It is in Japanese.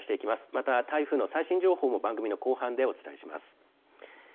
また台風の最新情報も番組の後半でお伝えします。